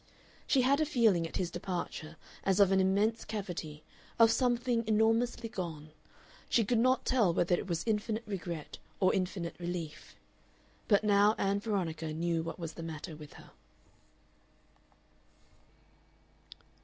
She had a feeling at his departure as of an immense cavity, of something enormously gone; she could not tell whether it was infinite regret or infinite relief.... But now Ann Veronica knew what was the matter with her.